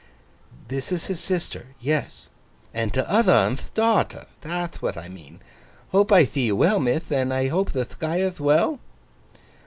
'This is his sister. Yes.' 'And t'other on'th daughter. That'h what I mean. Hope I thee you well, mith. And I hope the Thquire'th well?